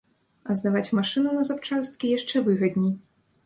А здаваць машыну на запчасткі яшчэ выгадней.